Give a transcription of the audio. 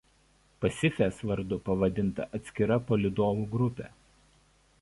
Pasifės vardu pavadinta atskira palydovų grupė.